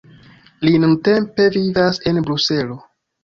Li nuntempe vivas en Bruselo.